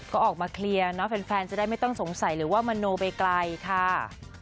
ก็ออกมาเคลียร์เนาะแฟนจะได้ไม่ต้องสงสัยหรือว่ามโนไปไกลค่ะ